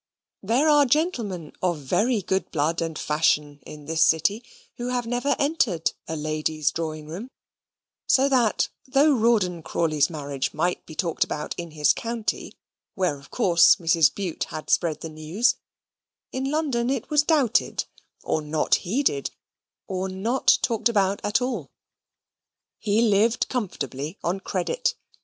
There are gentlemen of very good blood and fashion in this city, who never have entered a lady's drawing room; so that though Rawdon Crawley's marriage might be talked about in his county, where, of course, Mrs. Bute had spread the news, in London it was doubted, or not heeded, or not talked about at all. He lived comfortably on credit.